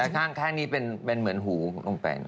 แต่ข้างนี่เป็นเหมือนหูลงไป